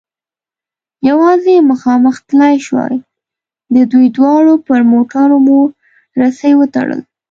یوازې مخامخ تلای شوای، د دوی دواړو پر موټرو مو رسۍ و تړل.